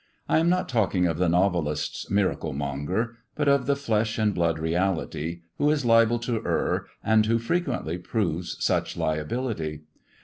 I am not talking of the novelist's miracle r, but of the flesh and blood reality who is liable to I who frequently proves such liability.